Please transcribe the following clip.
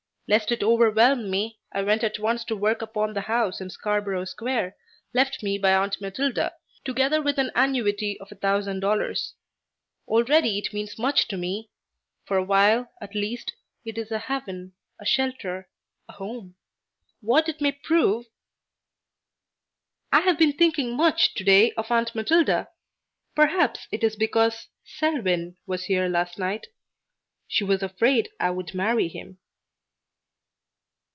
Lest it overwhelm me, I went at once to work upon the house in Scarborough Square left me by Aunt Matilda, together with an annuity of a thousand dollars. Already it means much to me. For a while, at least, it is a haven, a shelter, a home. What it may prove I have been thinking much to day of Aunt Matilda. Perhaps it is because Selwyn was here last night. She was afraid I would marry him.